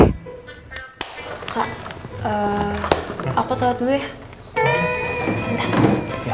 eh aku toilet dulu ya